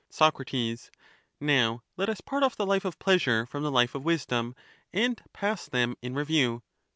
Soc, Now let us part off the life of pleasure from the life of wisdom, and pass them in review.